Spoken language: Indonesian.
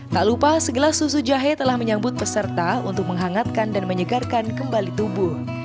tak lupa segelas susu jahe telah menyambut peserta untuk menghangatkan dan menyegarkan kembali tubuh